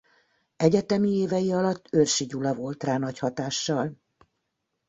Egyetemi évei alatt Eörsi Gyula volt rá nagy hatással.